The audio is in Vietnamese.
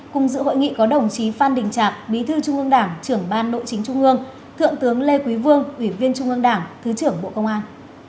cùng dự hội nghị có đồng chí phan đình trạc bí thư trung ương đảng trưởng ban nội chính trung ương thượng tướng lê quý vương ủy viên trung ương đảng thứ trưởng bộ công an